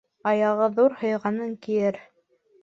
Аяғы ҙур һыйғанын кейер